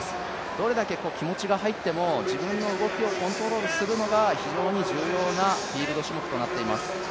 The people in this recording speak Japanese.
どれだけ気持ちが入っても自分の動きをコントロールするのが非常に重要なフィールド種目となっています。